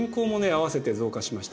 併せて増加しました。